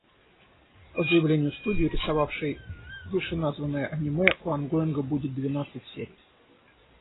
По заявлению студии, рисовавшей вышеназванное аниме, у онгоинга будет двенадцать серий.